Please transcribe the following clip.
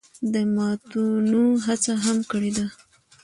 د ماتونو هڅه هم کړې ده